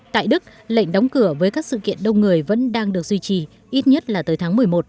tại đức lệnh đóng cửa với các sự kiện đông người vẫn đang được duy trì ít nhất là tới tháng một mươi một